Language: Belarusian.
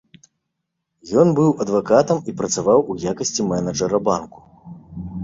Ён быў адвакатам і працаваў у якасці менеджара банку.